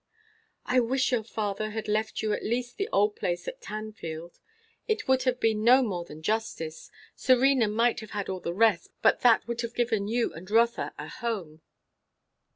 "I wish your father had left you at least the old place at Tanfield. It would have been no more than justice. Serena might have had all the rest, but that would have given you and Rotha a home."